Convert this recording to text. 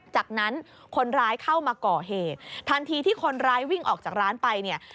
จากนั้นคนร้ายเข้ามาก่อเหตุทันทีที่คนร้ายวิ่งออกจากร้านไปเนี่ย